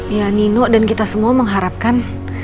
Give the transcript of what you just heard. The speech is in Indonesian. ya nino dan kita semua mengharapkan